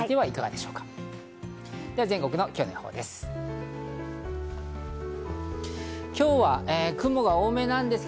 では全国の今日の予報です。